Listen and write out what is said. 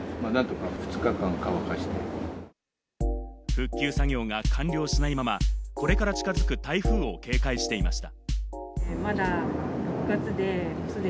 復旧作業が完了しないまま、これから近づく台風を警戒していました。